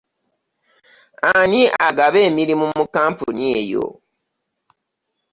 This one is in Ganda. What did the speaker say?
Ani agaba emirimu mu kkampuni eyo?